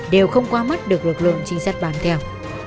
đều không quá mất được lực lượng chính sách bàn theo